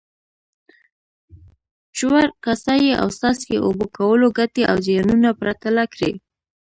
ژور، کاسه یي او څاڅکي اوبه کولو ګټې او زیانونه پرتله کړئ.